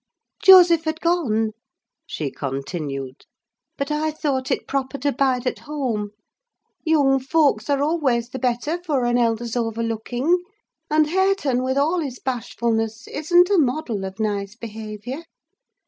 "Joseph had gone," she continued, "but I thought proper to bide at home. Young folks are always the better for an elder's over looking; and Hareton, with all his bashfulness, isn't a model of nice behaviour.